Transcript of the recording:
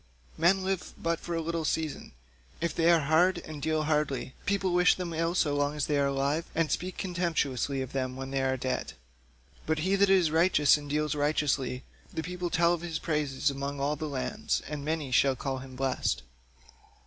Men live but for a little season; if they are hard, and deal hardly, people wish them ill so long as they are alive, and speak contemptuously of them when they are dead, but he that is righteous and deals righteously, the people tell of his praise among all lands, and many shall call him blessed."